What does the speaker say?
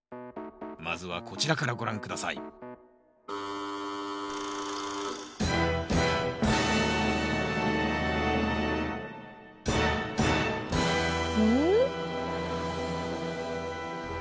まずはこちらからご覧下さいうん？